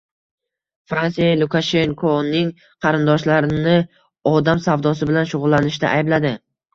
Fransiya Lukashenkoning qarindoshlarini odam savdosi bilan shug‘ullanishda aybladi